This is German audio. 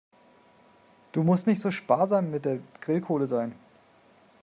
Du musst nicht so sparsam mit der Grillkohle sein.